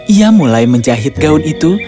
ia mulai menjahit gaun itu